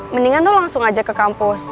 mendingan lo langsung ajak ke kampus